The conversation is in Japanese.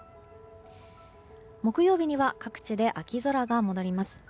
木曜日には各地で秋空が戻ります。